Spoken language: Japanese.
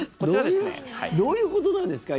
どういうことなんですか？